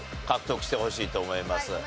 獲得してほしいと思います。